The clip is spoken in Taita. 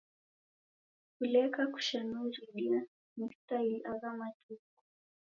Kuleka kushanua iridia ni staili agha matuku